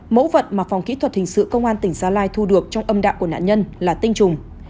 mẫu vật mà phòng kỹ thuật hình sự công an tỉnh gia lai thu được trong âm đạo của nạn nhân là tinh trùng